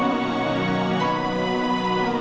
aku mau makan